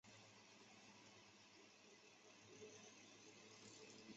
土岐赖元是土岐赖艺的四男。